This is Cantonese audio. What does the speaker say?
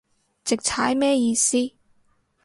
直踩咩意思